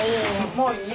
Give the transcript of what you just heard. もういい？